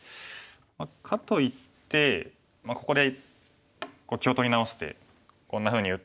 かといってここで気を取り直してこんなふうに打っても。